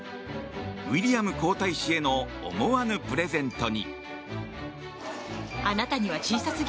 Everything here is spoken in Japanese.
ウィリアム皇太子への思わぬプレゼントに。